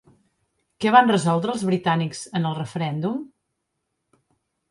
Què van resoldre els britànics en el referèndum?